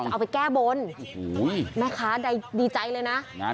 เอาไปแก้บนแม่ค้าดีใจเลยนะ